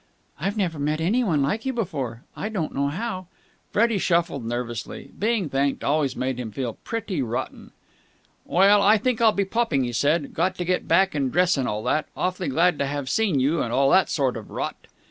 "I've never met anyone like you before. I don't know how...." Freddie shuffled nervously. Being thanked always made him feel pretty rotten. "Well, I think I'll be popping," he said. "Got to get back and dress and all that. Awfully glad to have seen you, and all that sort of rot."